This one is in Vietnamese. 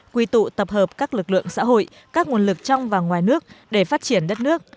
quy tụ tập hợp các lực lượng xã hội các nguồn lực trong và ngoài nước để phát triển đất nước